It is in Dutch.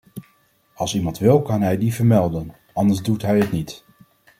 Als iemand wil kan hij die vermelden, anders doet hij het niet.